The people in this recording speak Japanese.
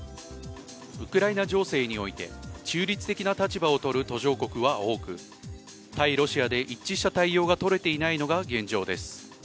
ウクライナ情勢において中立的な立場を取る途上国は多く対ロシアで一致した対応がとれていないのが現状です。